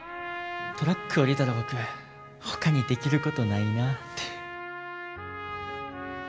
トラック降りたら僕ほかにできることないなって。